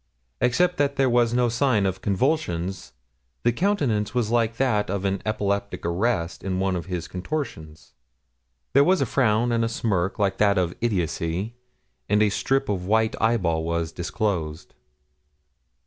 Except that there was no sign of convulsions, the countenance was like that of an epileptic arrested in one of his contortions. There was a frown and smirk like that of idiotcy, and a strip of white eyeball was also disclosed.